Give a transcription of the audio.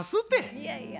いやいや。